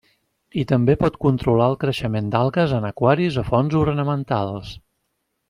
I també pot controlar el creixement d'algues en aquaris o fonts ornamentals.